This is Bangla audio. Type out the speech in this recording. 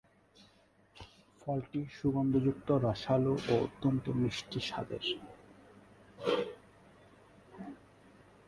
ফলটি সুগন্ধযুক্ত, রসালো ও অত্যন্ত মিষ্টি স্বাদের।